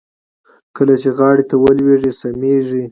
کله چې غاړې ته ولوېږي سميږي.